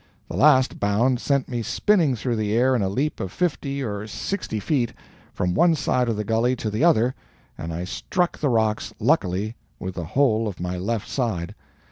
The last bound sent me spinning through the air in a leap of fifty or sixty feet, from one side of the gully to the other, and I struck the rocks, luckily, with the whole of my left side.